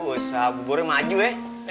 usah buburnya maju ya